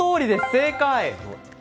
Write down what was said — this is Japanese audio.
正解。